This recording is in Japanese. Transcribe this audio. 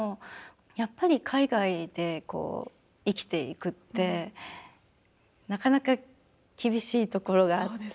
やっぱり海外で生きていくってなかなか厳しいところがあって。